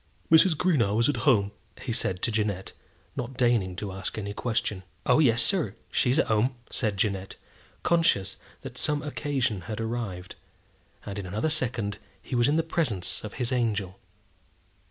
"Mrs. Greenow is at home," he said to Jeannette, not deigning to ask any question. "Oh, yes, sir; she is at home," said Jeannette, conscious that some occasion had arrived; and in another second he was in the presence of his angel.